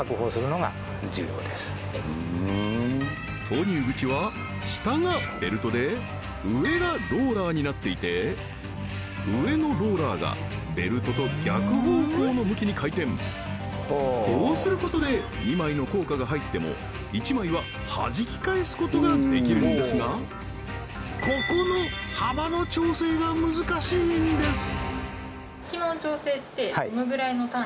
投入口は下がベルトで上がローラーになっていて上のローラーがベルトと逆方向の向きに回転こうすることで２枚の硬貨が入っても１枚ははじき返すことができるんですがここの幅の調整が難しいんです！